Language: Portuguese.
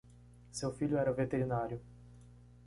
Seu filho era veterinário